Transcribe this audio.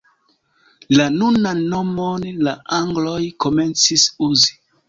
La nunan nomon la angloj komencis uzi.